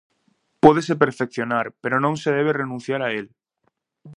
Pódese perfeccionar, pero non se debe renunciar a el.